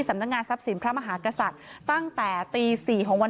สำนักงานทรัพย์สินพระมหากษัตริย์ตั้งแต่ตี๔ของวัน